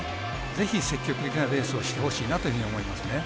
ぜひ、積極的なレースをしてほしいなと思いますね。